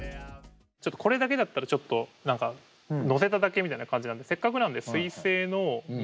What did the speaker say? これだけだったらちょっと何か乗せただけみたいな感じなのでせっかくなんでお！